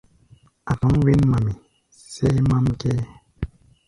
A̧ tɔ̧ɔ̧́ wěn-mami, sʼɛ́ɛ́ mám kʼɛ́ɛ́.